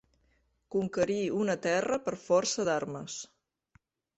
Conquerir una terra per força d'armes.